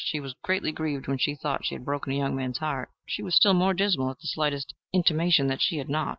She was greatly grieved when she thought she had broken a young man's heart: she was still more dismal at the slightest intimation that she had not.